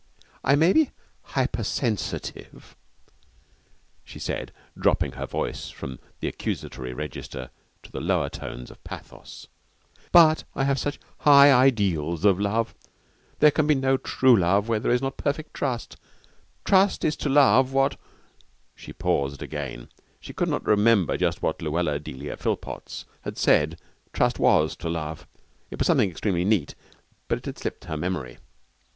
'I may be hypersensitive,' she said, dropping her voice from the accusatory register to the lower tones of pathos, 'but I have such high ideals of love. There can be no true love where there is not perfect trust. Trust is to love what ' She paused again. She could not remember just what Luella Delia Philpotts had said trust was to love. It was something extremely neat, but it had slipped her memory.